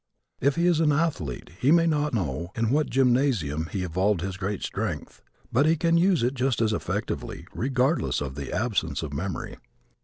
If he is an athlete he may not know in what gymnasium he evolved his great strength, but he can use it just as effectively regardless of the absence of memory.